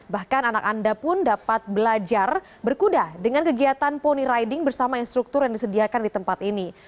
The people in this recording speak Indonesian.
bahkan anak anda pun dapat belajar berkuda dengan kegiatan pony riding bersama instruktur yang disediakan di tempat ini